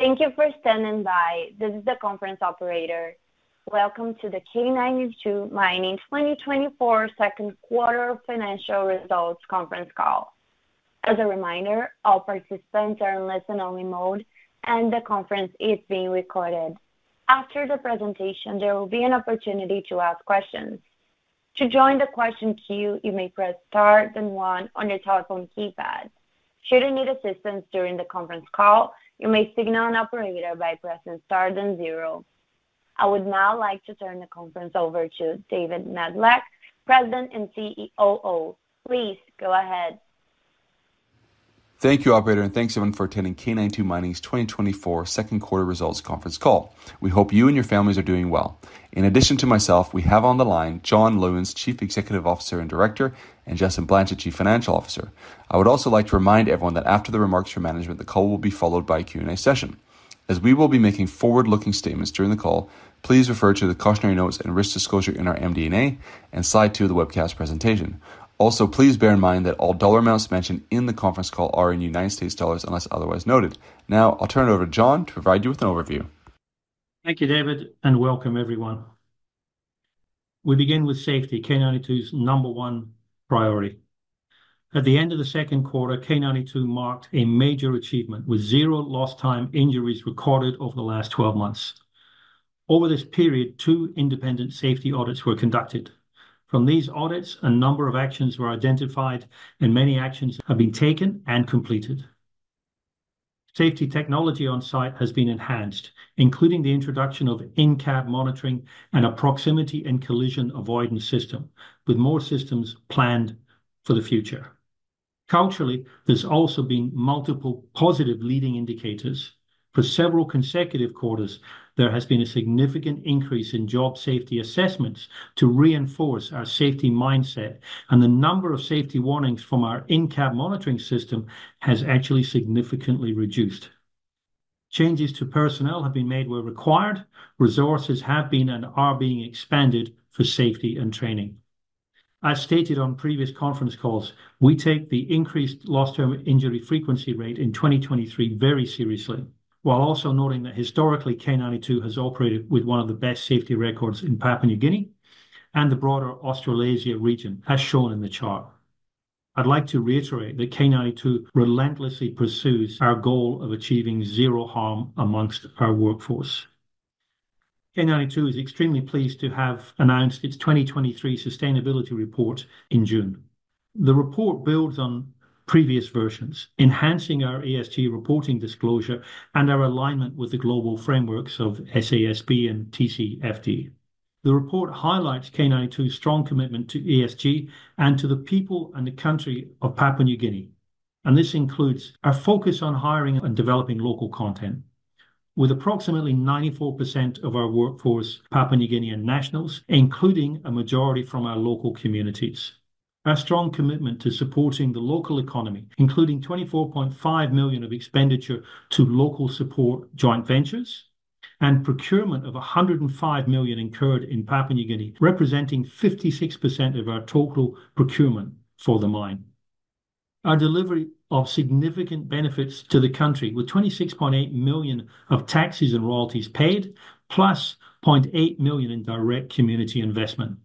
Thank you for standing by. This is the conference operator. Welcome to the K92 Mining 2024 Second Quarter Financial Results Conference Call. As a reminder, all participants are in listen-only mode, and the conference is being recorded. After the presentation, there will be an opportunity to ask questions. To join the question queue, you may press star then one on your telephone keypad. Should you need assistance during the conference call, you may signal an operator by pressing star then zero. I would now like to turn the conference over to David Medilek, President and COO. Please go ahead. Thank you, operator, and thanks, everyone, for attending K92 Mining's 2024 Second Quarter Results Conference Call. We hope you and your families are doing well. In addition to myself, we have on the line John Lewins, Chief Executive Officer and Director, and Justin Blanchet, Chief Financial Officer. I would also like to remind everyone that after the remarks from management, the call will be followed by a Q&A session. As we will be making forward-looking statements during the call, please refer to the cautionary notes and risk disclosure in our MD&A and slide two of the webcast presentation. Also, please bear in mind that all dollar amounts mentioned in the conference call are in United States dollars, unless otherwise noted. Now, I'll turn it over to John to provide you with an overview. Thank you, David, and welcome everyone. We begin with safety, K92's number one priority. At the end of the second quarter, K92 marked a major achievement, with zero lost time injuries recorded over the last 12 months. Over this period, two independent safety audits were conducted. From these audits, a number of actions were identified, and many actions have been taken and completed. Safety technology on site has been enhanced, including the introduction of in-cab monitoring and a proximity and collision avoidance system, with more systems planned for the future. Culturally, there's also been multiple positive leading indicators. For several consecutive quarters, there has been a significant increase in job safety assessments to reinforce our safety mindset, and the number of safety warnings from our in-cab monitoring system has actually significantly reduced. Changes to personnel have been made where required. Resources have been and are being expanded for safety and training. As stated on previous Conference Calls, we take the increased lost time injury frequency rate in 2023 very seriously, while also noting that historically, K92 has operated with one of the best safety records in Papua New Guinea and the broader Australasia region, as shown in the chart. I'd like to reiterate that K92 relentlessly pursues our goal of achieving zero harm among our workforce. K92 is extremely pleased to have announced its 2023 sustainability report in June. The report builds on previous versions, enhancing our ESG reporting disclosure and our alignment with the global frameworks of SASB and TCFD. The report highlights K92's strong commitment to ESG and to the people and the country of Papua New Guinea, and this includes our focus on hiring and developing local content. With approximately 94% of our workforce Papua New Guinean nationals, including a majority from our local communities. Our strong commitment to supporting the local economy, including $24.5 million of expenditure to local support joint ventures and procurement of $105 million incurred in Papua New Guinea, representing 56% of our total procurement for the mine. Our delivery of significant benefits to the country, with $26.8 million of taxes and royalties paid, plus $0.8 million in direct community investment.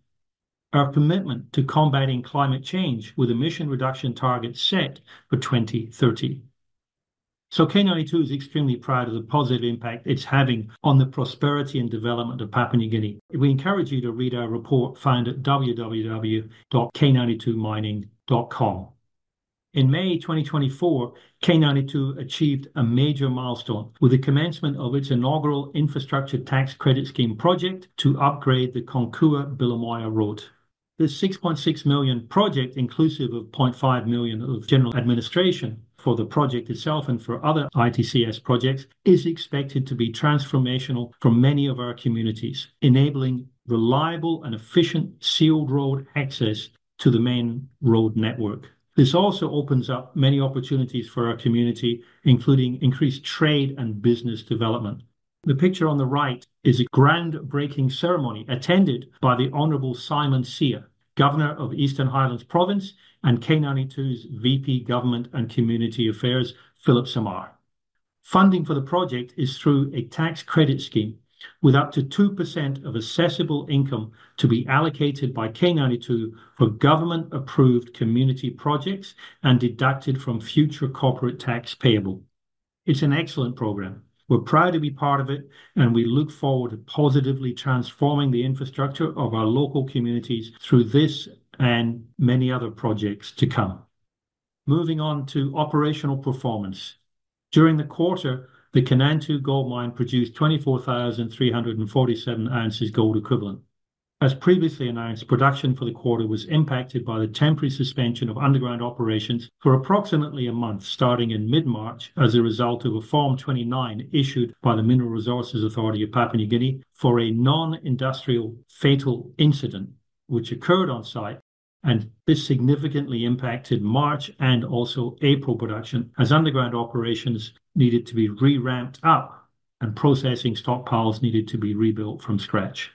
Our commitment to combating climate change, with emission reduction targets set for 2030. So K92 is extremely proud of the positive impact it's having on the prosperity and development of Papua New Guinea. We encourage you to read our report, found at www.k92mining.com. In May 2024, K92 achieved a major milestone with the commencement of its inaugural Infrastructure Tax Credit Scheme project to upgrade the Konkua-Bilimoia Road. This $6.6 million project, inclusive of $0.5 million of general administration for the project itself and for other ITCS projects, is expected to be transformational for many of our communities, enabling reliable and efficient sealed road access to the main road network. This also opens up many opportunities for our community, including increased trade and business development. The picture on the right is a ground breaking ceremony attended by the Honorable Simon Sia, Governor of Eastern Highlands Province, and K92's VP, Government and Community Affairs, Philip Samar. Funding for the project is through a tax credit scheme, with up to 2% of assessable income to be allocated by K92 for government-approved community projects and deducted from future corporate tax payable. It's an excellent program. We're proud to be part of it, and we look forward to positively transforming the infrastructure of our local communities through this and many other projects to come. Moving on to operational performance. During the quarter, the Kainantu Gold Mine produced 24,347 oz gold equivalent. As previously announced, production for the quarter was impacted by the temporary suspension of underground operations for approximately a month, starting in mid-March, as a result of a Form 29 issued by the Mineral Resources Authority of Papua New Guinea for a non-industrial fatal incident which occurred on site, and this significantly impacted March and also April production, as underground operations needed to be re-ramped up and processing stockpiles needed to be rebuilt from scratch.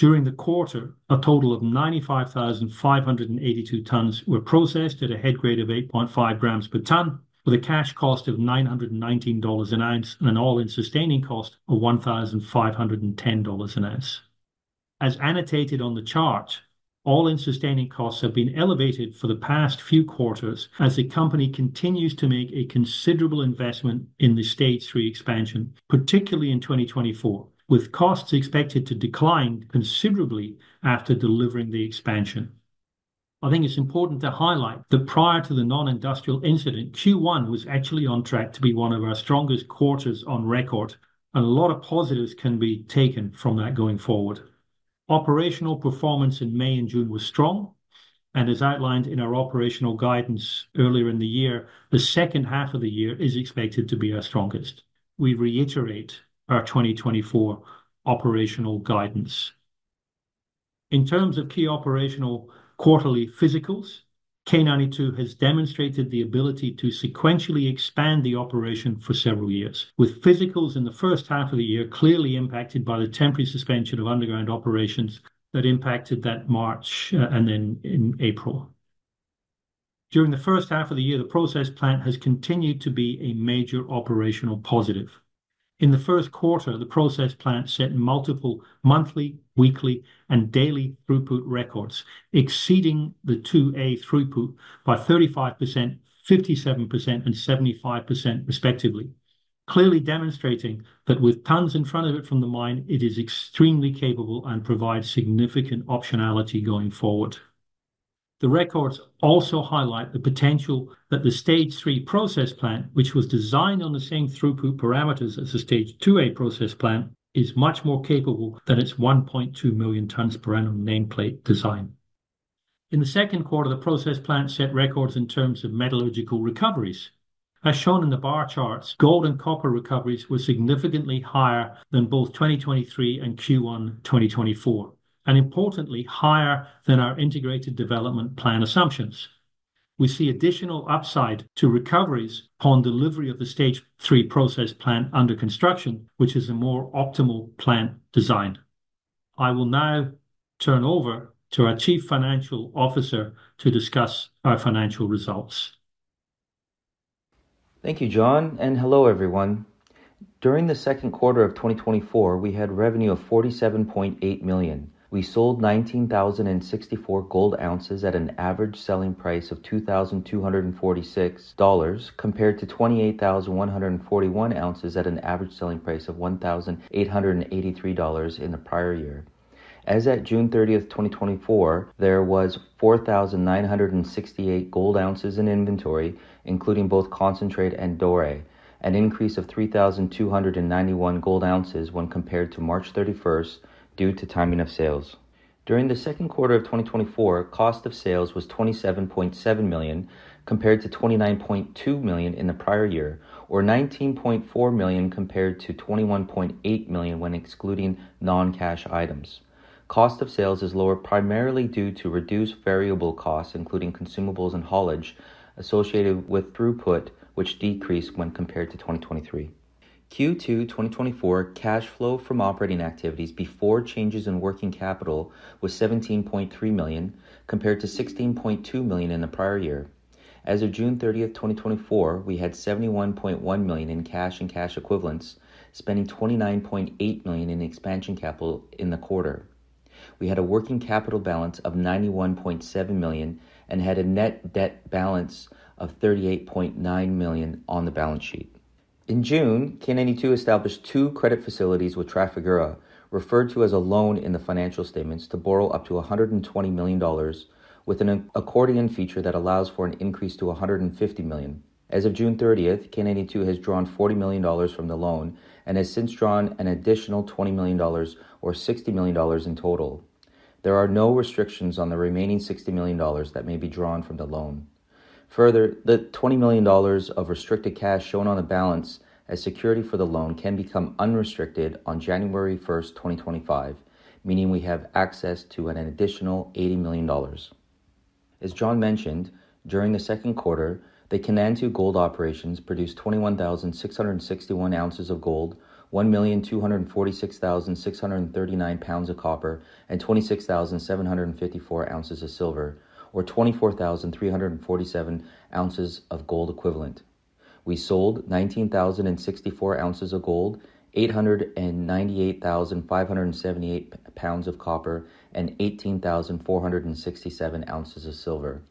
During the quarter, a total of 95,582 tons were processed at a head grade of 8.5 grams per ton, with a cash cost of $919 an oz and an all-in sustaining cost of $1,510 an oz. As annotated on the chart, all-in sustaining costs have been elevated for the past few quarters as the company continues to make a considerable investment in the Stage three Expansion, particularly in 2024, with costs expected to decline considerably after delivering the expansion. I think it's important to highlight that prior to the non-industrial incident, Q1 was actually on track to be one of our strongest quarters on record, and a lot of positives can be taken from that going forward. Operational performance in May and June was strong, and as outlined in our operational guidance earlier in the year, the second half of the year is expected to be our strongest. We reiterate our 2024 operational guidance. In terms of key operational quarterly physicals, K92 has demonstrated the ability to sequentially expand the operation for several years, with physicals in the first half of the year clearly impacted by the temporary suspension of underground operations that impacted that March, and then in April. During the first half of the year, the process plant has continued to be a major operational positive. In the first quarter, the process plant set multiple monthly, weekly, and daily throughput records, exceeding the 2A throughput by 35%, 57%, and 75% respectively, clearly demonstrating that with tons in front of it from the mine, it is extremely capable and provides significant optionality going forward. The records also highlight the potential that the Stage Three process plant, which was designed on the same throughput parameters as the Stage 2A process plant, is much more capable than its 1.2 million tons per annum nameplate design. In the second quarter, the process plant set records in terms of metallurgical recoveries. As shown in the bar charts, gold and copper recoveries were significantly higher than both 2023 and Q1 2024, and importantly, higher than our integrated development plan assumptions. We see additional upside to recoveries upon delivery of the Stage Three process plant under construction, which is a more optimal plant design. I will now turn over to our Chief Financial Officer to discuss our financial results. Thank you, John, and hello, everyone. During the second quarter of 2024, we had revenue of $47.8 million. We sold 19,064 gold oz at an average selling price of $2,246, compared to 28,141 oz at an average selling price of $1,883 in the prior year. As at June 30, 2024, there was 4,968 gold oz in inventory, including both concentrate and doré, an increase of 3,291 gold oz when compared to March 31 due to timing of sales. During the second quarter of 2024, cost of sales was $27.7 million, compared to $29.2 million in the prior year, or $19.4 million compared to $21.8 million when excluding non-cash items. Cost of sales is lower, primarily due to reduced variable costs, including consumables and haulage associated with throughput, which decreased when compared to 2023. Q2 2024 cash flow from operating activities before changes in working capital was $17.3 million, compared to $16.2 million in the prior year. As of June 30, 2024, we had $71.1 million in cash and cash equivalents, spending $29.8 million in expansion capital in the quarter. We had a working capital balance of $91.7 million and had a net debt balance of $38.9 million on the balance sheet. In June, K92 established two credit facilities with Trafigura, referred to as a loan in the financial statements, to borrow up to $120 million with an accordion feature that allows for an increase to $150 million. As of June 30, K92 has drawn $40 million from the loan and has since drawn an additional $20 million or $60 million in total. There are no restrictions on the remaining $60 million that may be drawn from the loan. Further, the $20 million of restricted cash shown on the balance as security for the loan can become unrestricted on January 1, 2025, meaning we have access to an additional $80 million. As John mentioned, during the second quarter, the Kainantu Gold Mine produced 21,661 oz of gold, 1,246,639 pounds of copper, and 26,754 oz of silver, or 24,347 oz of gold equivalent. We sold 19,064 oz of gold, 898,578 pounds of copper, and 18,467 oz of silver.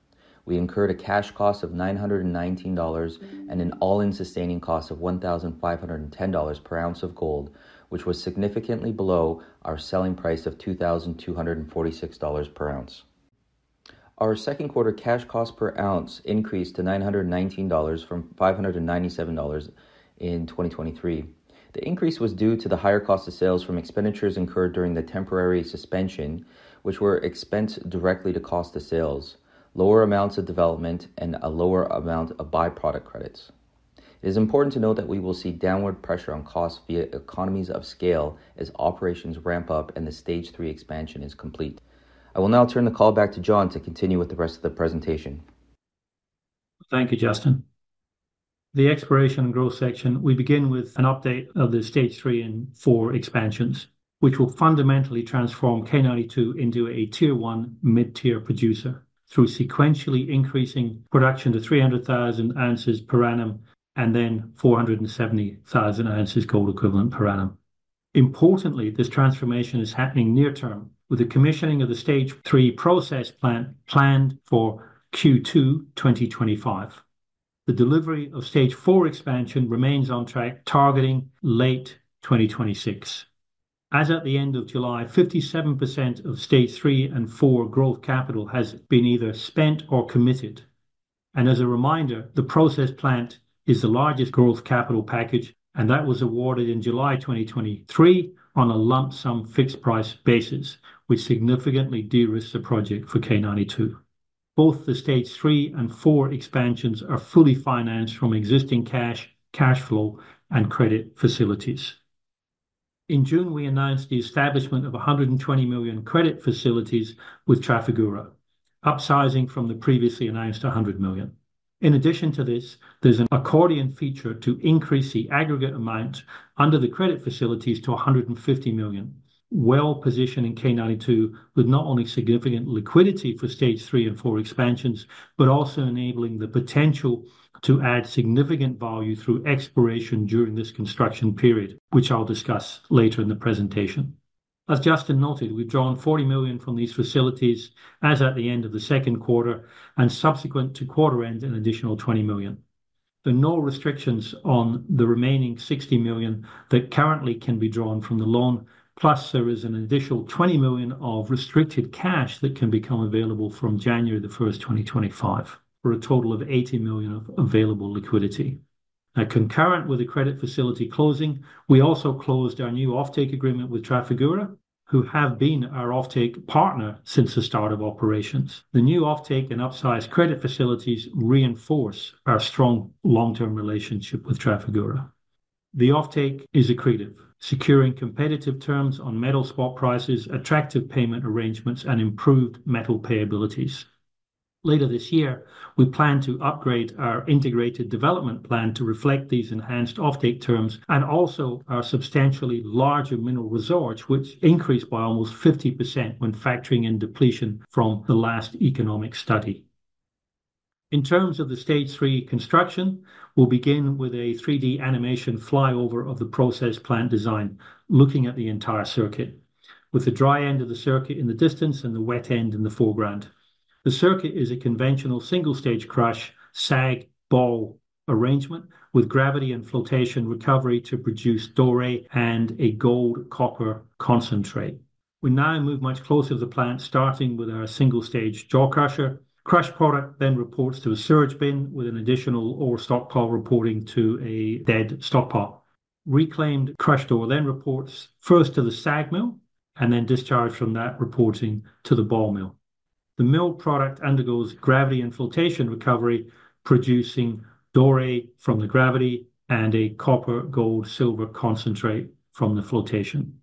We incurred a cash cost of $919 and an all-in sustaining cost of $1,510 per oz of gold, which was significantly below our selling price of $2,246 per oz. Our second quarter cash cost per oz increased to $919 from $597 in 2023. The increase was due to the higher cost of sales from expenditures incurred during the temporary suspension, which were expensed directly to cost of sales, lower amounts of development, and a lower amount of byproduct credits. It is important to note that we will see downward pressure on costs via economies of scale as operations ramp up and the Stage three Expansion is complete. I will now turn the call back to John to continue with the rest of the presentation. Thank you, Justin. The exploration and growth section, we begin with an update of the Stage three and four expansions, which will fundamentally transform K92 into a Tier 1 mid-tier producer through sequentially increasing production to 300,000 oz per annum, and then 470,000 oz gold equivalent per annum. Importantly, this transformation is happening near-term, with the commissioning of the Stage three process plant planned for Q2 2025. The delivery of Stage four expansion remains on track, targeting late 2026. As at the end of July, 57% of Stage three and four growth capital has been either spent or committed. And as a reminder, the process plant is the largest growth capital package, and that was awarded in July 2023 on a lump sum fixed price basis, which significantly de-risks the project for K92. Both the Stage three and four expansions are fully financed from existing cash, cash flow, and credit facilities. In June, we announced the establishment of $120 million credit facilities with Trafigura, upsizing from the previously announced $100 million. In addition to this, there's an accordion feature to increase the aggregate amount under the credit facilities to $150 million. Well-positioned in K92, with not only significant liquidity for Stage three and four expansions, but also enabling the potential to add significant value through exploration during this construction period, which I'll discuss later in the presentation. As Justin noted, we've drawn $40 million from these facilities as at the end of the second quarter, and subsequent to quarter end, an additional $20 million. There are no restrictions on the remaining $60 million that currently can be drawn from the loan. Plus, there is an additional $20 million of restricted cash that can become available from January 1st, 2025, for a total of $80 million of available liquidity. Now, concurrent with the credit facility closing, we also closed our new offtake agreement with Trafigura, who have been our offtake partner since the start of operations. The new offtake and upsized credit facilities reinforce our strong long-term relationship with Trafigura. The offtake is accretive, securing competitive terms on metal spot prices, attractive payment arrangements, and improved metal payabilities. Later this year, we plan to upgrade our Integrated Development Plan to reflect these enhanced offtake terms and also our substantially larger mineral resource, which increased by almost 50% when factoring in depletion from the last economic study. In terms of the Stage 3 construction, we'll begin with a 3D animation flyover of the process plant design, looking at the entire circuit, with the dry end of the circuit in the distance and the wet end in the foreground. The circuit is a conventional single-stage crush SAG ball arrangement, with gravity and flotation recovery to produce Doré and a gold-copper concentrate. We now move much closer to the plant, starting with our single-stage jaw crusher. Crushed product then reports to a surge bin with an additional ore stock pile reporting to a dead stock pile. Reclaimed crushed ore then reports first to the SAG mill, and then discharged from that, reporting to the ball mill. The mill product undergoes gravity and flotation recovery, producing Doré from the gravity and a copper, gold, silver concentrate from the flotation.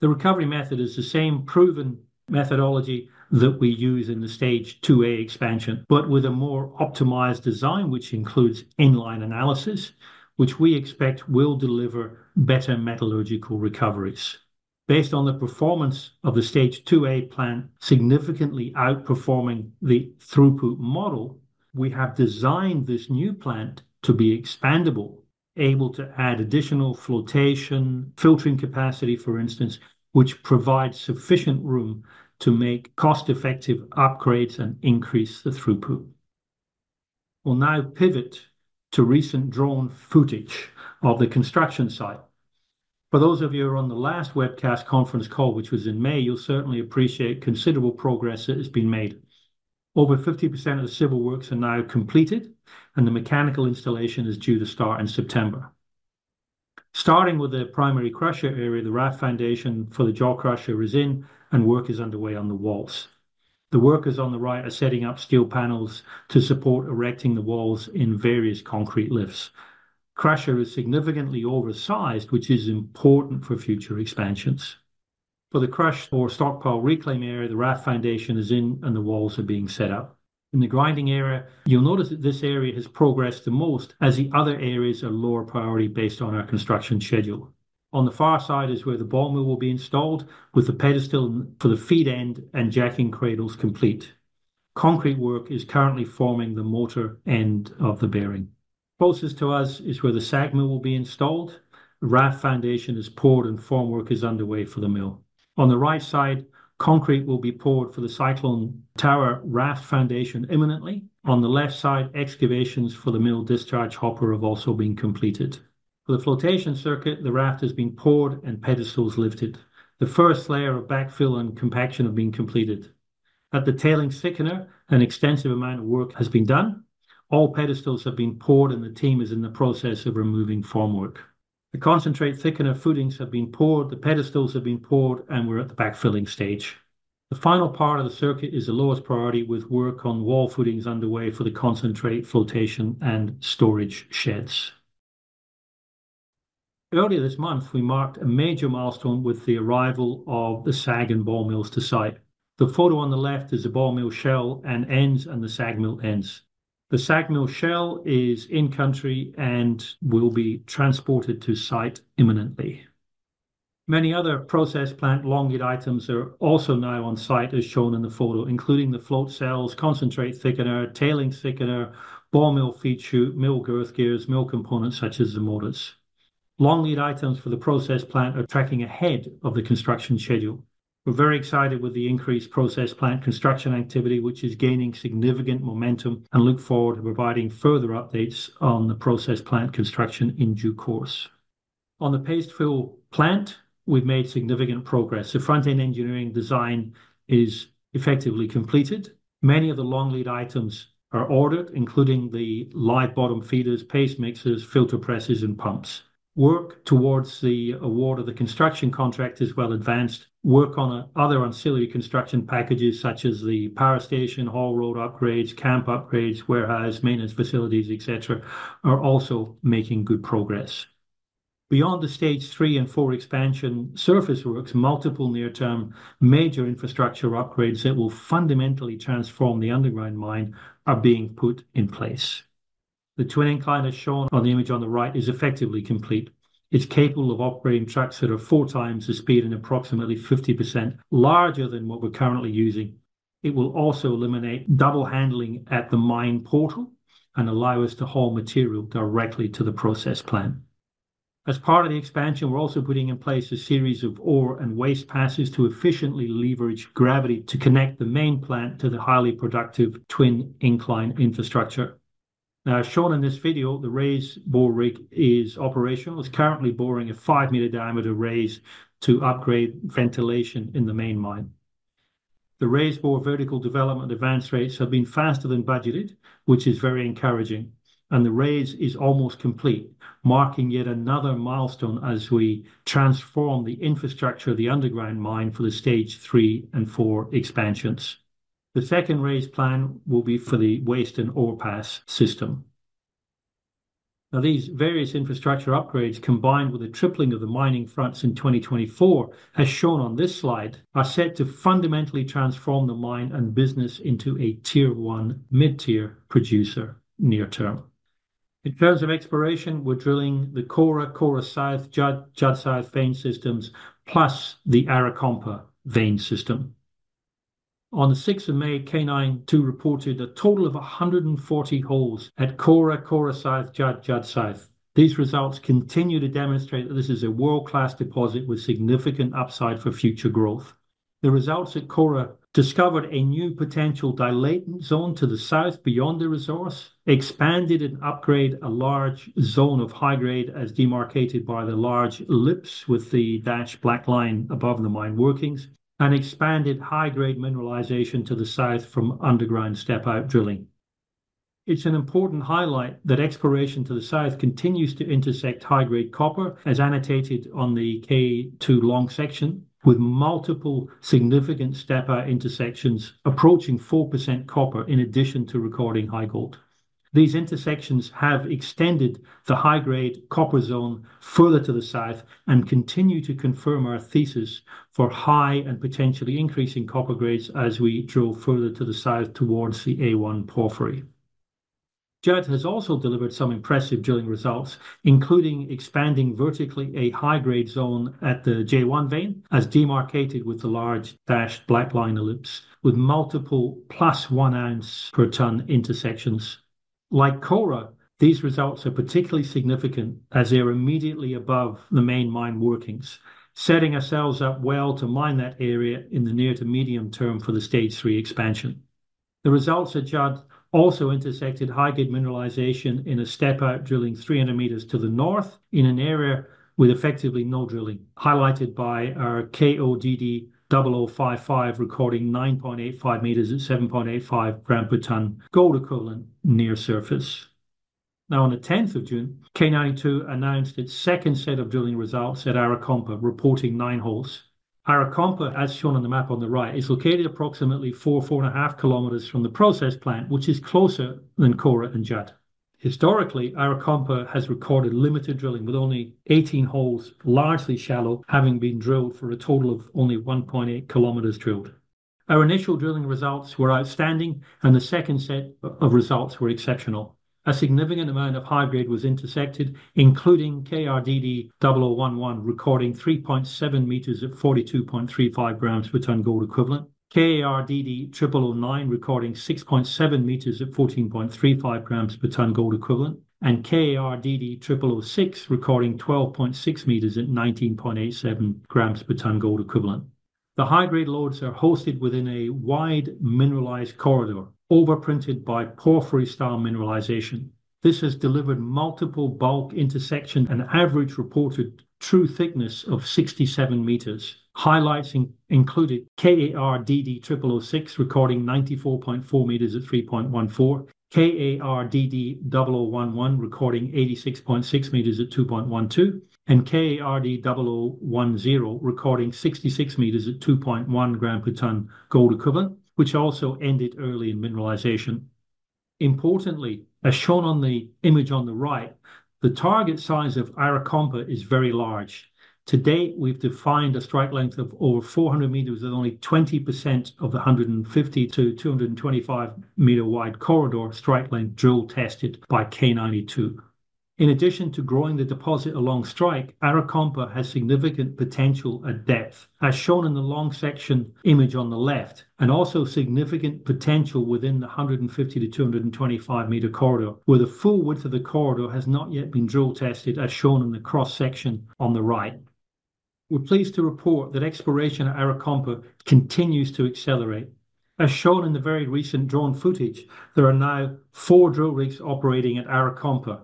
The recovery method is the same proven methodology that we use in the Stage 2A Expansion, but with a more optimized design, which includes in-line analysis, which we expect will deliver better metallurgical recoveries. Based on the performance of the Stage 2A plant significantly outperforming the throughput model, we have designed this new plant to be expandable, able to add additional flotation, filtering capacity, for instance, which provides sufficient room to make cost-effective upgrades and increase the throughput. We'll now pivot to recent drone footage of the construction site. For those of you who were on the last webcast conference call, which was in May, you'll certainly appreciate considerable progress that has been made. Over 50% of the civil works are now completed, and the mechanical installation is due to start in September. Starting with the primary crusher area, the raft foundation for the jaw crusher is in, and work is underway on the walls. The workers on the right are setting up steel panels to support erecting the walls in various concrete lifts. Crusher is significantly oversized, which is important for future expansions. For the crusher stockpile reclaim area, the raft foundation is in, and the walls are being set up. In the grinding area, you'll notice that this area has progressed the most, as the other areas are lower priority based on our construction schedule. On the far side is where the ball mill will be installed, with the pedestal for the feed end and jacking cradles complete. Concrete work is currently forming the motor end of the bearing. Closest to us is where the SAG mill will be installed. The raft foundation is poured, and formwork is underway for the mill. On the right side, concrete will be poured for the cyclone tower raft foundation imminently. On the left side, excavations for the mill discharge hopper have also been completed. For the flotation circuit, the raft has been poured and pedestals lifted. The first layer of backfill and compaction have been completed. At the tailings thickener, an extensive amount of work has been done. All pedestals have been poured, and the team is in the process of removing formwork. The concentrate thickener footings have been poured, the pedestals have been poured, and we're at the backfilling stage. The final part of the circuit is the lowest priority, with work on wall footings underway for the concentrate, flotation, and storage sheds. Earlier this month, we marked a major milestone with the arrival of the SAG and ball mills to site. The photo on the left is a Ball Mill shell and ends, and the SAG Mill ends. The SAG Mill shell is in country and will be transported to site imminently. Many other process plant long lead items are also now on site, as shown in the photo, including the float cells, concentrate thickener, tailings thickener, Ball Mill feed chute, mill girth gears, mill components such as the motors. Long lead items for the process plant are tracking ahead of the construction schedule. We're very excited with the increased process plant construction activity, which is gaining significant momentum, and look forward to providing further updates on the process plant construction in due course. On the Paste Fill Plant, we've made significant progress. The front-end engineering design is effectively completed. Many of the long lead items are ordered, including the live bottom feeders, paste mixers, filter presses, and pumps. Work towards the award of the construction contract is well advanced. Work on other ancillary construction packages, such as the power station, haul road upgrades, camp upgrades, warehouse, maintenance facilities, et cetera, are also making good progress. Beyond the Stage three and four Expansion surface works, multiple near-term major infrastructure upgrades that will fundamentally transform the underground mine are being put in place. The Twin Incline, as shown on the image on the right, is effectively complete. It's capable of operating trucks that are four times the speed and approximately 50% larger than what we're currently using. It will also eliminate double handling at the mine portal and allow us to haul material directly to the process plant. As part of the expansion, we're also putting in place a series of ore and waste passes to efficiently leverage gravity to connect the main plant to the highly productive Twin Incline infrastructure. Now, as shown in this video, the Raise Bore rig is operational. It's currently boring a 5-meter diameter raise to upgrade ventilation in the main mine. The Raise Bore vertical development advance rates have been faster than budgeted, which is very encouraging, and the raise is almost complete, marking yet another milestone as we transform the infrastructure of the underground mine for the Stage three and four Expansions. The second raise plan will be for the waste and ore pass system. Now, these various infrastructure upgrades, combined with a tripling of the mining fronts in 2024, as shown on this slide, are set to fundamentally transform the mine and business into a Tier 1 mid-tier producer near term. In terms of exploration, we're drilling the Kora, Kora South, Judd, Judd South vein systems, plus the Arakompa vein system. On the sixth of May, K92 reported a total of 140 holes at Kora, Kora South, Judd, Judd South. These results continue to demonstrate that this is a world-class deposit with significant upside for future growth. The results at Kora discovered a new potential dilating zone to the south beyond the resource, expanded and upgrade a large zone of high grade, as demarcated by the large ellipse with the dashed black line above the mine workings, and expanded high-grade mineralization to the south from underground step-out drilling. It's an important highlight that exploration to the south continues to intersect high-grade copper, as annotated on the K2 long section, with multiple significant step-out intersections approaching 4% copper, in addition to recording high gold. These intersections have extended the high-grade copper zone further to the south and continue to confirm our thesis for high and potentially increasing copper grades as we drill further to the south towards the A1 porphyry. Judd has also delivered some impressive drilling results, including expanding vertically a high-grade zone at the J1 vein, as demarcated with the large dashed black line ellipse, with multiple +1 oz per ton intersections. Like Kora, these results are particularly significant as they are immediately above the main mine workings, setting ourselves up well to mine that area in the near to medium term for the Stage Expansion. The results at Judd also intersected high-grade mineralization in a step-out drilling 300 meters to the north in an area with effectively no drilling, highlighted by our KODD0055, recording 9.85 meters at 7.85 grams per ton gold equivalent near surface. Now, on the tenth of June, K92 announced its second set of drilling results at Arakompa, reporting 9 holes. Arakompa, as shown on the map on the right, is located approximately 4-4.5 km from the process plant, which is closer than Kora and Judd. Historically, Arakompa has recorded limited drilling, with only 18 holes, largely shallow, having been drilled for a total of only 1.8 km drilled. Our initial drilling results were outstanding, and the second set of results were exceptional. A significant amount of high grade was intersected, including KARDD0011, recording 3.7 meters at 42.35 grams per ton gold equivalent; KARDD0009, recording 6.7 meters at 14.35 grams per ton gold equivalent; and KARDD0006, recording 12.6 meters at 19.87 grams per ton gold equivalent. The high-grade lodes are hosted within a wide mineralized corridor, overprinted by porphyry style mineralization. This has delivered multiple bulk intersection and average reported true thickness of 67 meters. Highlights included KARDD0006, recording 94.4 meters at 3.14; KARDD0011, recording 86.6 meters at 2.12; and KARDD0010, recording 66 meters at 2.1 grams per ton gold equivalent, which also ended early in mineralization... Importantly, as shown on the image on the right, the target size of Arakompa is very large. To date, we've defined a strike length of over 400 meters, with only 20% of the 150- to 225-meter wide corridor strike length drill tested by K92. In addition to growing the deposit along strike, Arakompa has significant potential at depth, as shown in the long section image on the left, and also significant potential within the 150 to 225 meter corridor, where the full width of the corridor has not yet been drill tested, as shown in the cross-section on the right. We're pleased to report that exploration at Arakompa continues to accelerate. As shown in the very recent drone footage, there are now 4 drill rigs operating at Arakompa.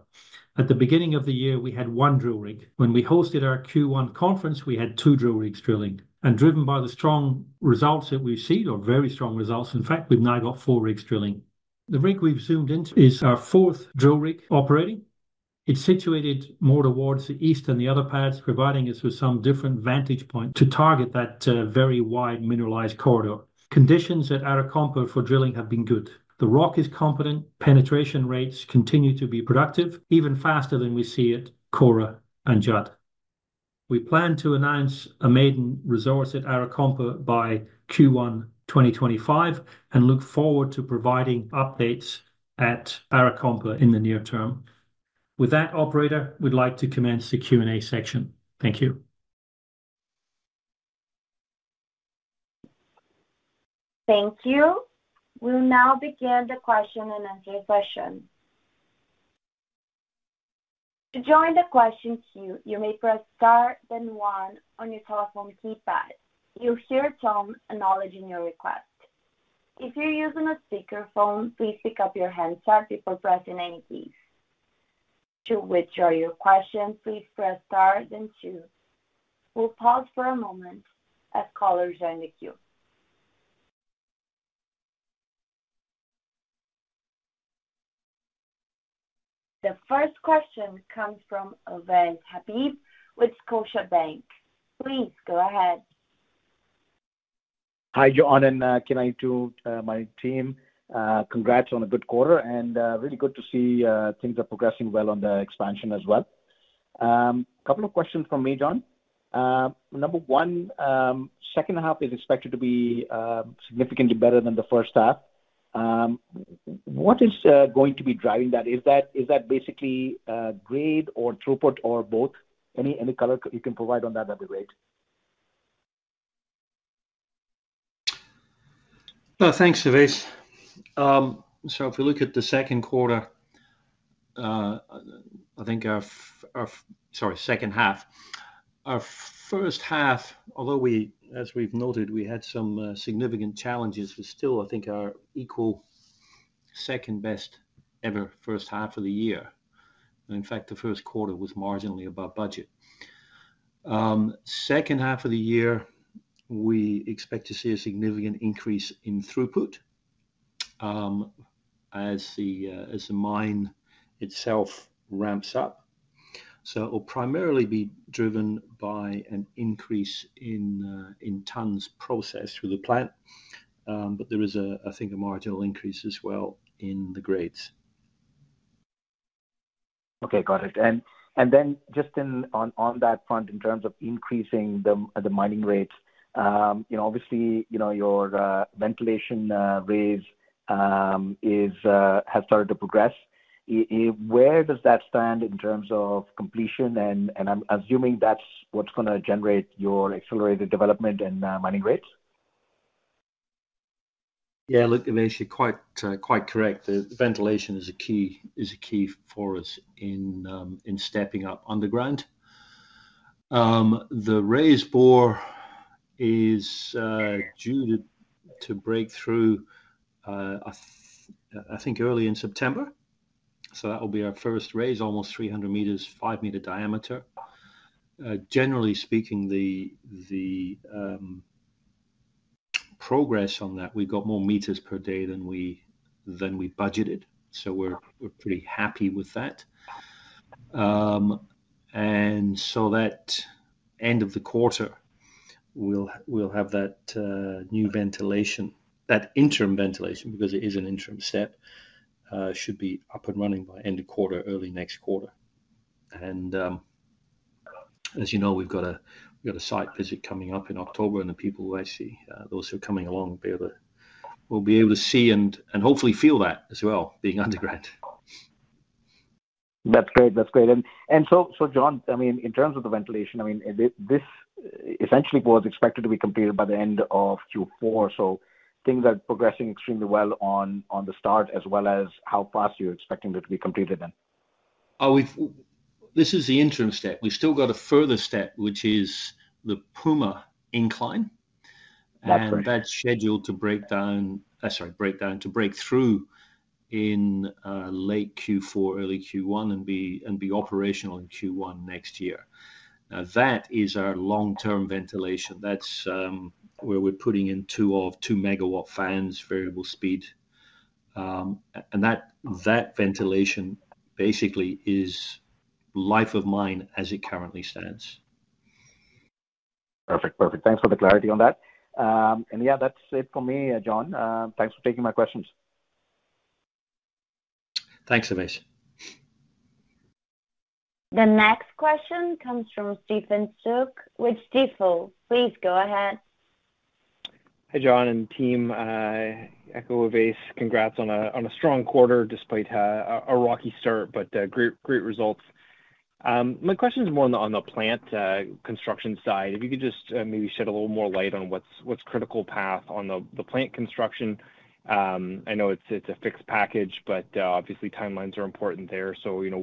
At the beginning of the year, we had one drill rig. When we hosted our Q1 conference, we had two drill rigs drilling. And driven by the strong results that we've seen, or very strong results, in fact, we've now got four rigs drilling. The rig we've zoomed into is our fourth drill rig operating. It's situated more towards the east than the other pads, providing us with some different vantage point to target that very wide mineralized corridor. Conditions at Arakompa for drilling have been good. The rock is competent, penetration rates continue to be productive, even faster than we see at Kora and Judd. We plan to announce a maiden resource at Arakompa by Q1 2025, and look forward to providing updates at Arakompa in the near term. With that, operator, we'd like to commence the Q&A section. Thank you. Thank you. We'll now begin the question and answer session. To join the question queue, you may press star then One on your telephone keypad. You'll hear a tone acknowledging your request. If you're using a speakerphone, please pick up your handset before pressing any keys. To withdraw your question, please press star then Two. We'll pause for a moment as callers join the queue. The first question comes from Ovais Habib with Scotiabank. Please go ahead. Hi, John, and K92 Mining team, congrats on a good quarter and really good to see things are progressing well on the expansion as well. Couple of questions from me, John. Number one, second half is expected to be significantly better than the first half. What is going to be driving that? Is that basically grade or throughput or both? Any color you can provide on that would be great. Well, thanks, Ovais. So if you look at the second quarter, I think our— Sorry, second half. Our first half, although we, as we've noted, we had some significant challenges, was still, I think, our equal second best ever first half of the year. And in fact, the first quarter was marginally above budget. Second half of the year, we expect to see a significant increase in throughput, as the mine itself ramps up. So it will primarily be driven by an increase in tons processed through the plant. But there is a, I think, a marginal increase as well in the grades. Okay, got it. And then just on that front, in terms of increasing the mining rates, you know, obviously, you know, your ventilation raise has started to progress. Where does that stand in terms of completion? And I'm assuming that's what's gonna generate your accelerated development and mining rates. Yeah, look, Ovais, you're quite, quite correct. The ventilation is a key, is a key for us in, in stepping up underground. The raise bore is due to, to break through, I think early in September. So that will be our first raise, almost 300 meters, 5-meter diameter. Generally speaking, the, the, progress on that, we've got more meters per day than we, than we budgeted, so we're, we're pretty happy with that. And so that end of the quarter, we'll, we'll have that, new ventilation, that interim ventilation, because it is an interim step, should be up and running by end of quarter, early next quarter. And, as you know, we've got a site visit coming up in October, and the people who I see, those who are coming along will be able to see and hopefully feel that as well, being underground. That's great. That's great. And so John, I mean, in terms of the ventilation, I mean, this essentially was expected to be completed by the end of Q4. So things are progressing extremely well on the start, as well as how fast you're expecting it to be completed then? Oh, this is the interim step. We've still got a further step, which is the Puma Incline. That's right. That's scheduled to break through in late Q4, early Q1, and be operational in Q1 next year. Now, that is our long-term ventilation. That's where we're putting in two two-megawatt fans, variable speed. And that ventilation basically is life of mine as it currently stands.... Perfect, perfect. Thanks for the clarity on that. And yeah, that's it for me, John. Thanks for taking my questions. Thanks, Ovais. The next question comes from Stephen Soock with Stifel. Please go ahead. Hi, John and team. I echo Ovais, congrats on a strong quarter despite a rocky start, but great, great results. My question is more on the plant construction side. If you could just maybe shed a little more light on what's critical path on the plant construction. I know it's a fixed package, but obviously timelines are important there. So, you know,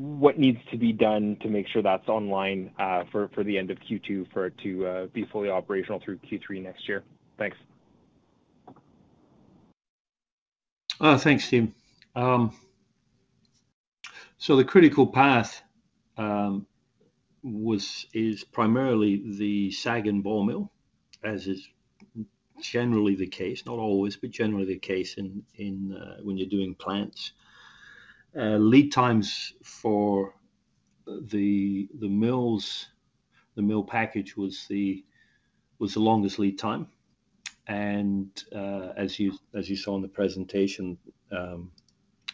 what needs to be done to make sure that's online for the end of Q2 for it to be fully operational through Q3 next year? Thanks. Thanks, Steve. So the critical path is primarily the SAG and ball mill, as is generally the case. Not always, but generally the case in, in, when you're doing plants. Lead times for the, the mills, the mill package was the, was the longest lead time, and, as you, as you saw in the presentation, the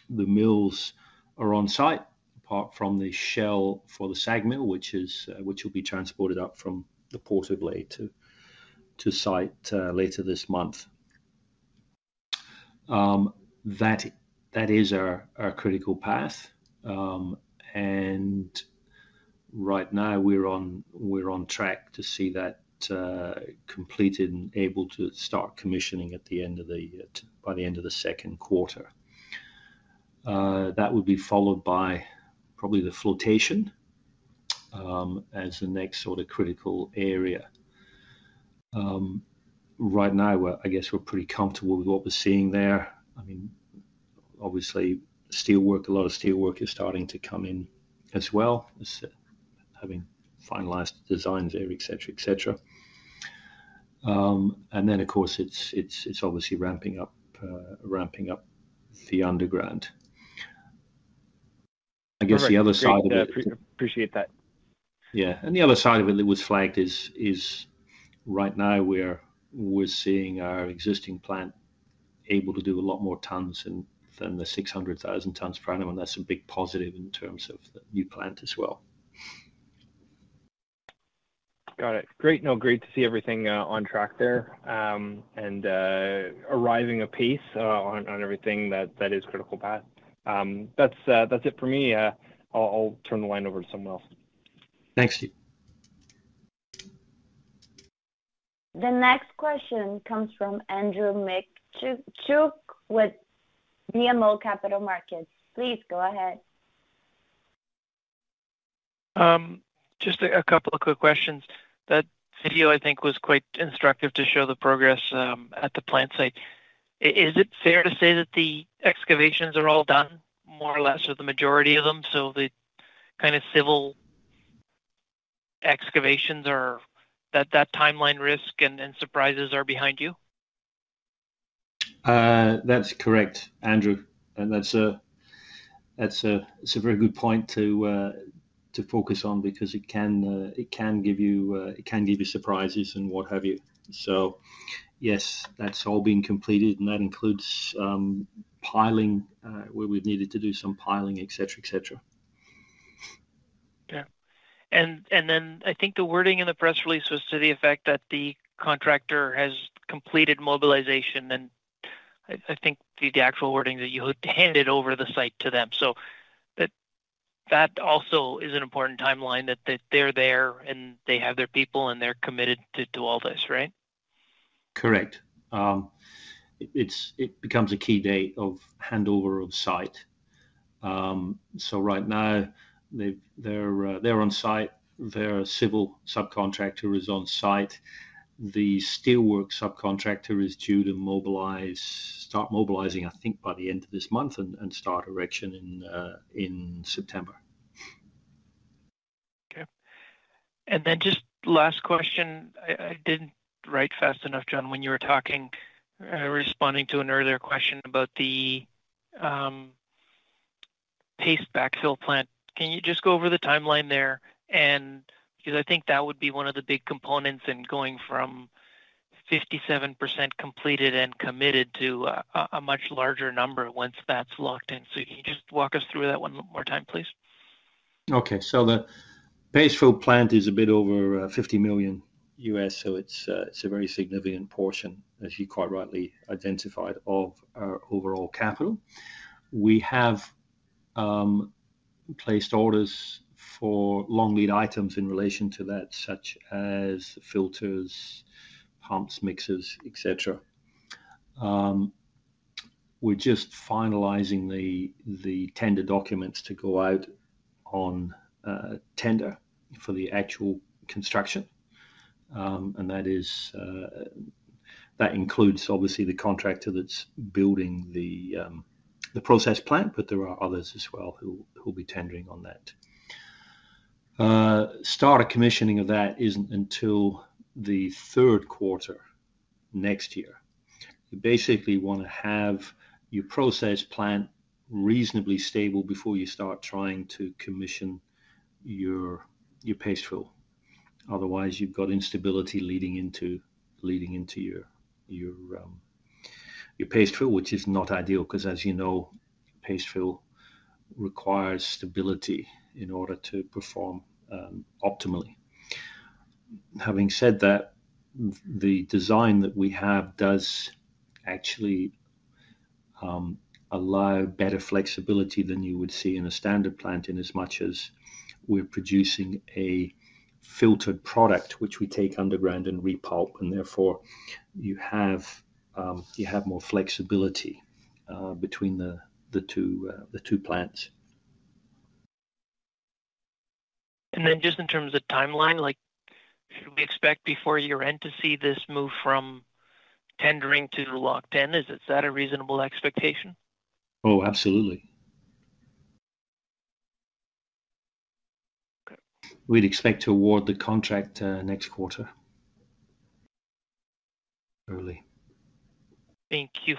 mills are on site, apart from the shell for the SAG mill, which is, which will be transported up from the Port of Lae to, to site, later this month. That, that is our, our critical path, and right now we're on, we're on track to see that, completed and able to start commissioning at the end of the, by the end of the second quarter. That would be followed by probably the flotation as the next sort of critical area. Right now, we're, I guess, we're pretty comfortable with what we're seeing there. I mean, obviously, steel work, a lot of steel work is starting to come in as well, as having finalized the designs there, et cetera, et cetera. And then, of course, it's, it's, it's obviously ramping up, ramping up the underground. I guess the other side of it. Appreciate that. Yeah. The other side of it that was flagged is right now we're seeing our existing plant able to do a lot more tons than the 600,000 tons per annum, and that's a big positive in terms of the new plant as well. Got it. Great. No, great to see everything on track there, and arriving on pace on everything that is critical path. That's it for me. I'll turn the line over to someone else. Thanks, Steve. The next question comes from Andrew Mikitchook with BMO Capital Markets. Please go ahead. Just a couple of quick questions. That video, I think, was quite instructive to show the progress at the plant site. Is it fair to say that the excavations are all done, more or less, or the majority of them, so the kind of civil excavations are.. That timeline risk and surprises are behind you? That's correct, Andrew, and that's a very good point to focus on because it can give you surprises and what have you. So yes, that's all been completed, and that includes piling where we've needed to do some piling, et cetera, et cetera. Yeah. And then I think the wording in the press release was to the effect that the contractor has completed mobilization, and I think the actual wording that you handed over the site to them. So that also is an important timeline, that they're there, and they have their people, and they're committed to all this, right? Correct. It becomes a key date of handover of site. So right now, they're on site. Their civil subcontractor is on site. The steelwork subcontractor is due to mobilize, start mobilizing, I think, by the end of this month and start erection in September. Okay. And then just last question. I didn't write fast enough, John, when you were talking, responding to an earlier question about the paste fill plant. Can you just go over the timeline there? And... 'Cause I think that would be one of the big components in going from 57% completed and committed to a much larger number once that's locked in. So can you just walk us through that one more time, please? Okay. So the Paste Fill Plant is a bit over $50 million, so it's a very significant portion, as you quite rightly identified, of our overall capital. We have placed orders for long lead items in relation to that, such as filters, pumps, mixers, et cetera. We're just finalizing the tender documents to go out on tender for the actual construction. And that includes, obviously, the contractor that's building the process plant, but there are others as well who will be tendering on that. Start of commissioning of that isn't until the third quarter next year. You basically want to have your process plant reasonably stable before you start trying to commission your paste fill. Otherwise, you've got instability leading into your paste fill, which is not ideal, 'cause as you know, paste fill requires stability in order to perform optimally. Having said that, the design that we have does actually allow better flexibility than you would see in a standard plant, in as much as we're producing a filtered product, which we take underground and repulp, and therefore, you have more flexibility between the two plants. Just in terms of timeline, like, should we expect before year-end to see this move from tendering to locked in? Is that a reasonable expectation? Oh, absolutely. Okay. We'd expect to award the contract, next quarter. Early. In Q4?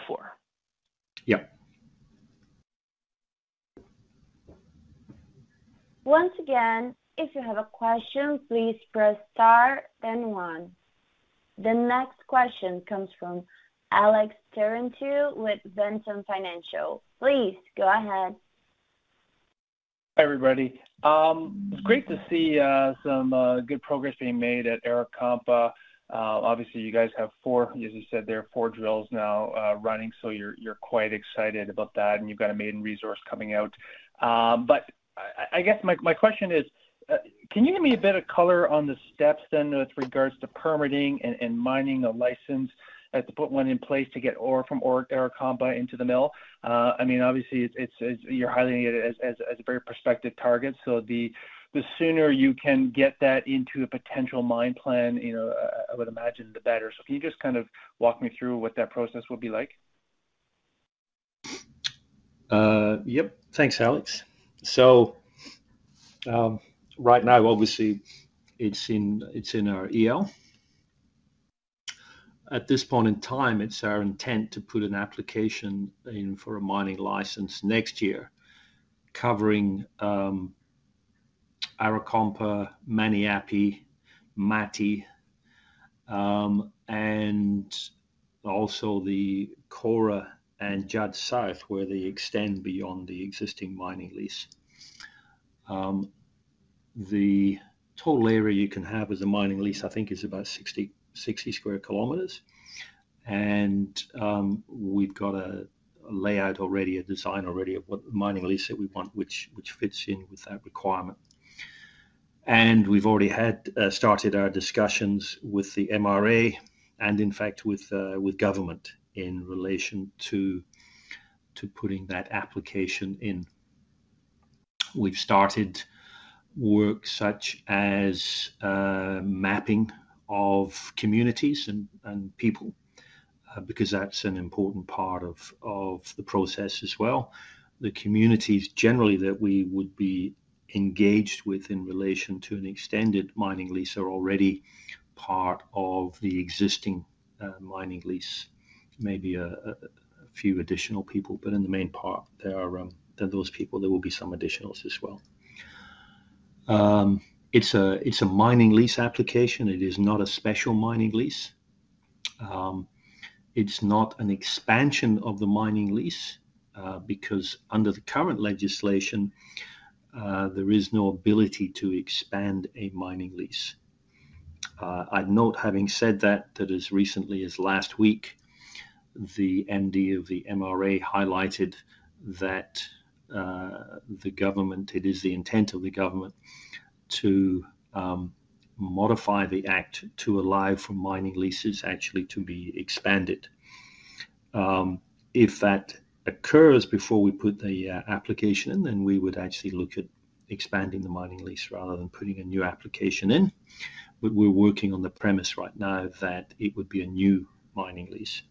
Yeah. Once again, if you have a question, please press star then one. The next question comes from Alex Terentiew with Ventum Financial. Please, go ahead. Hi, everybody. It's great to see some good progress being made at Arakompa. Obviously, you guys have 4... as you said there, 4 drills now running, so you're quite excited about that, and you've got a maiden resource coming out. But I guess my question is, can you give me a bit of color on the steps then with regards to permitting and a mining license to put one in place to get ore from Arakompa into the mill? I mean, obviously, you're highlighting it as a very prospective target, so the sooner you can get that into a potential mine plan, you know, I would imagine, the better. So can you just kind of walk me through what that process would be like? Yep. Thanks, Alex. So, right now, obviously, it's in, it's in our EL. At this point in time, it's our intent to put an application in for a mining license next year, covering Arakompa, Maniape, Mati, and also the Kora and Judd South, where they extend beyond the existing mining lease. The total area you can have as a mining lease, I think, is about 60, 60 sq km, and we've got a layout already, a design already of what the mining lease that we want, which fits in with that requirement. And we've already had started our discussions with the MRA and in fact, with government in relation to putting that application in. We've started work such as mapping of communities and people because that's an important part of the process as well. The communities generally, that we would be engaged with in relation to an extended mining lease are already part of the existing mining lease. Maybe a few additional people, but in the main part, there are than those people, there will be some additionals as well. It's a mining lease application. It is not a special mining lease. It's not an expansion of the mining lease, because under the current legislation, there is no ability to expand a mining lease. I'd note, having said that, that as recently as last week, the MD of the MRA highlighted that the government, it is the intent of the government to modify the act to allow for mining leases actually to be expanded. If that occurs before we put the application in, then we would actually look at expanding the mining lease rather than putting a new application in. But we're working on the premise right now that it would be a new mining lease.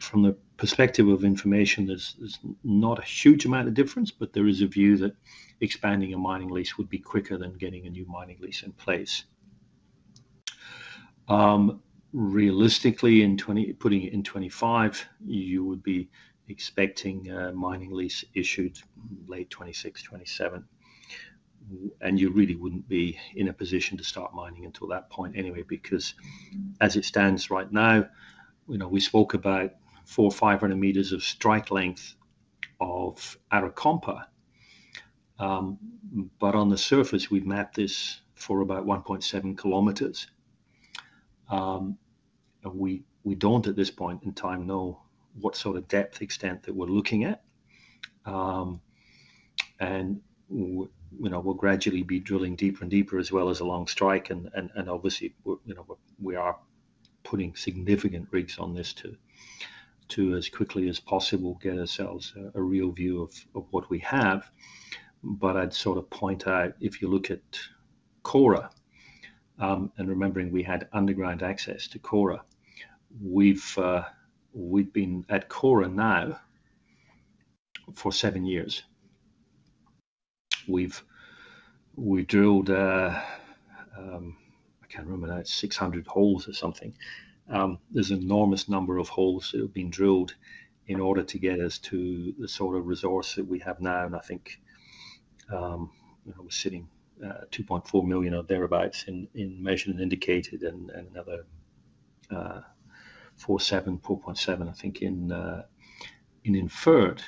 From the perspective of information, there's not a huge amount of difference, but there is a view that expanding a mining lease would be quicker than getting a new mining lease in place. Realistically, putting it in 2025, you would be expecting a mining lease issued late 2026-2027, and you really wouldn't be in a position to start mining until that point anyway, because as it stands right now, you know, we spoke about 400-500 meters of strike length of Arakompa. But on the surface, we've mapped this for about 1.7 km. We don't, at this point in time, know what sort of depth extent that we're looking at. And, you know, we'll gradually be drilling deeper and deeper as well as along strike, and obviously, you know, we are putting significant rigs on this to, as quickly as possible, get ourselves a real view of what we have. But I'd sort of point out, if you look at Kora, and remembering we had underground access to Kora, we've been at Kora now for seven years. We've drilled, I can't remember now, 600 holes or something. There's an enormous number of holes that have been drilled in order to get us to the sort of resource that we have now. I think, you know, we're sitting 2.4 million or thereabouts in measured and indicated, and another 4.7, I think, in inferred.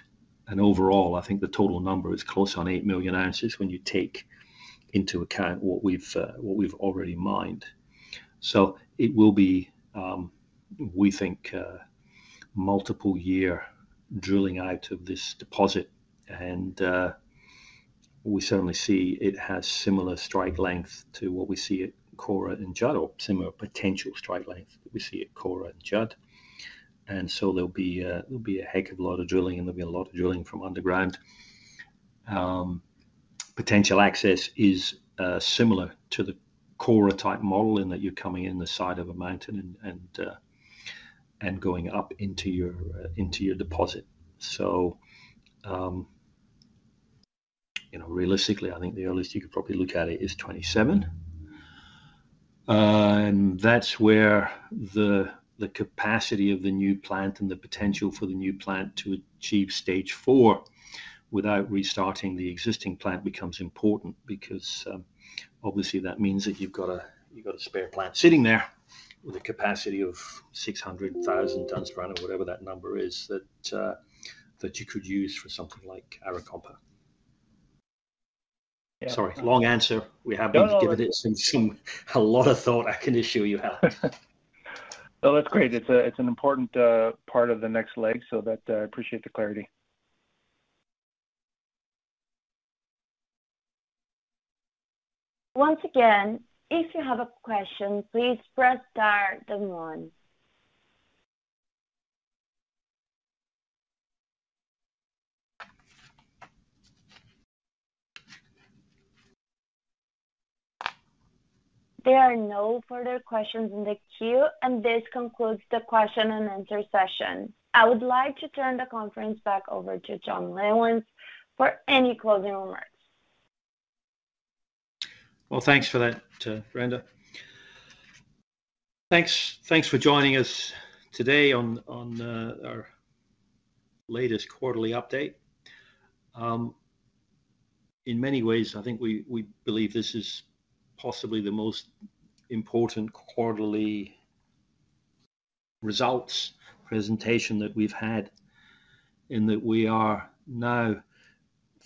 Overall, I think the total number is close on 8 million oz when you take into account what we've already mined. So it will be, we think, a multiple year drilling out of this deposit. And we certainly see it has similar strike length to what we see at Kora and Judd, or similar potential strike length that we see at Kora and Judd. And so there'll be a, there'll be a heck of a lot of drilling, and there'll be a lot of drilling from underground. Potential access is similar to the Cora-type model, in that you're coming in the side of a mountain and going up into your deposit. So, you know, realistically, I think the earliest you could probably look at it is 2027. And that's where the capacity of the new plant and the potential for the new plant to achieve Stage Four without restarting the existing plant becomes important because, obviously, that means that you've got a spare plant sitting there with a capacity of 600,000 tons run, or whatever that number is, that you could use for something like Arakompa. Sorry, long answer. No. We have been giving it some, a lot of thought, I can assure you, Alex. No, that's great. It's an important part of the next leg, so that I appreciate the clarity. Once again, if you have a question, please press star then one. There are no further questions in the queue, and this concludes the question and answer session. I would like to turn the conference back over to John Lewins for any closing remarks. Well, thanks for that, Brenda. Thanks, thanks for joining us today on our latest quarterly update. In many ways, I think we believe this is possibly the most important quarterly results presentation that we've had, in that we are now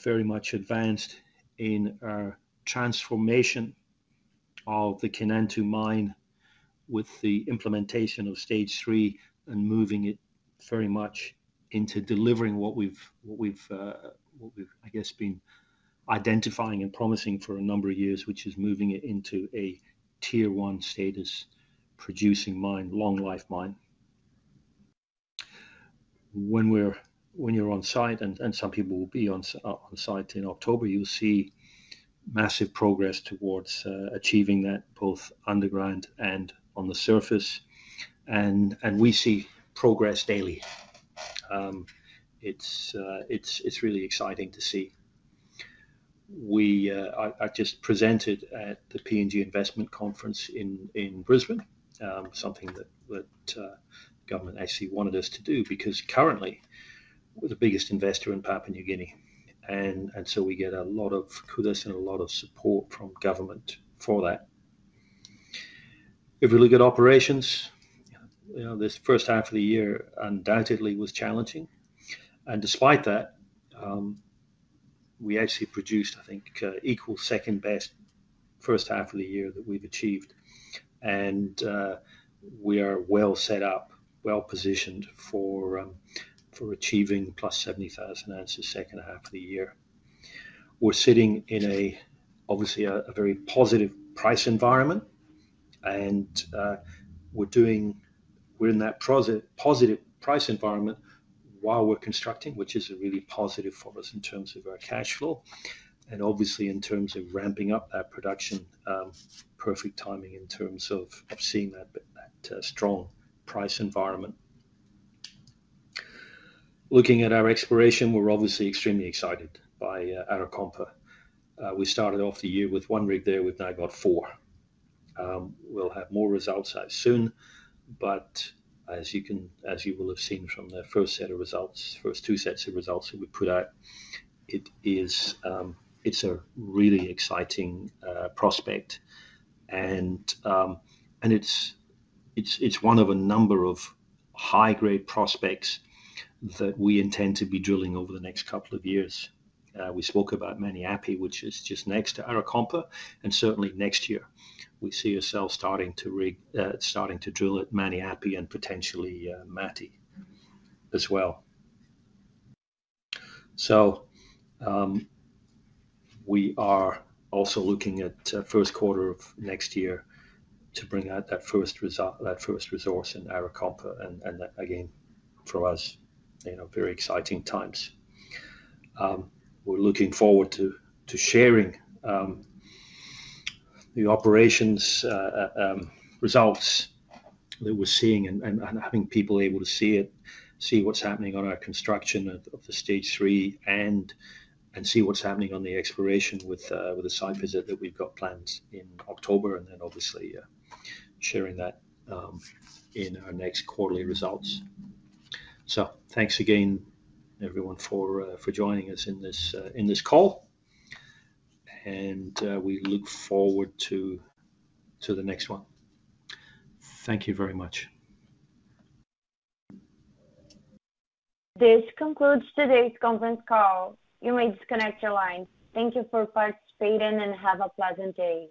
very much advanced in our transformation of the Kainantu mine, with the implementation of Stage Three and moving it very much into delivering what we've, I guess, been identifying and promising for a number of years, which is moving it into a Tier One status, producing mine, long life mine. When you're on site, and some people will be on site in October, you'll see massive progress towards achieving that, both underground and on the surface, and we see progress daily. It's really exciting to see. We... I just presented at the PNG Investment Conference in Brisbane, something that government actually wanted us to do, because currently, we're the biggest investor in Papua New Guinea, and so we get a lot of kudos and a lot of support from government for that. If we look at operations, you know, this first half of the year undoubtedly was challenging, and despite that, we actually produced, I think, equal second best first half of the year that we've achieved. We are well set up, well-positioned for achieving +70,000 oz second half of the year. We're sitting in, obviously, a very positive price environment, and we're doing, we're in that positive price environment while we're constructing, which is really positive for us in terms of our cash flow. Obviously, in terms of ramping up our production, perfect timing in terms of seeing that strong price environment. Looking at our exploration, we're obviously extremely excited by Arakompa. We started off the year with one rig there, we've now got four. We'll have more results out soon, but as you will have seen from the first two sets of results that we put out, it is a really exciting prospect. And it's one of a number of high-grade prospects that we intend to be drilling over the next couple of years. We spoke about Maniape, which is just next to Arakompa, and certainly next year we see ourselves starting to drill at Maniape and potentially Mati as well. So, we are also looking at first quarter of next year to bring out that first resource in Arakompa. And again, for us, you know, very exciting times. We're looking forward to sharing the operations results that we're seeing and having people able to see it, see what's happening on our construction of the Stage 3, and see what's happening on the exploration with the site visit that we've got planned in October, and then obviously sharing that in our next quarterly results. So thanks again, everyone, for joining us in this call, and we look forward to the next one. Thank you very much. This concludes today's conference call. You may disconnect your line. Thank you for participating, and have a pleasant day.